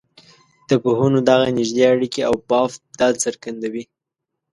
د پوهنو دغه نږدې اړیکي او بافت دا څرګندوي.